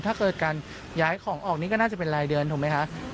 ถ้าเกิดการย้ายของออกนี่ก็น่าจะเป็นรายเดือนถูกไหมคะ